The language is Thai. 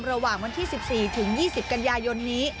ระหว่างวันที่๑๔ถึง๒๐กันยายนนี้